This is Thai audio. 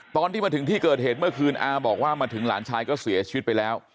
ตอนที่มาถึงที่เกิดเหตุเมื่อคืนอาบอกว่ามาถึงหลานชายก็เสียชีวิตไปแล้ว